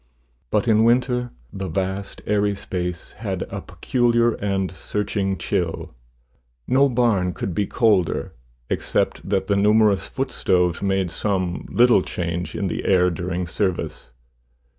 But in winter the vast airy space had a peculiar and searching chill. No barn could be colder, except that the numerous footstoves made some little change in the air during service.